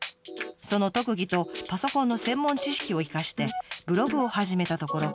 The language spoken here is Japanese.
その特技とパソコンの専門知識を生かしてブログを始めたところ